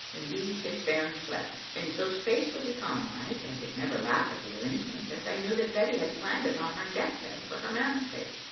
In these his bairns slept, and so space was economized. I could never laugh at the arrange ment, as I knew that Betty had planned it on her deathbed for her man's sake.